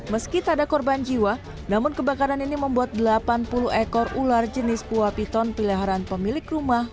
meski tak ada korban jiwa namun kebakaran ini membuat delapan puluh ekor ular jenis buah piton peliharaan pemilik rumah